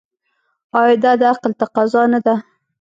آیا دا د عقل تقاضا نه ده؟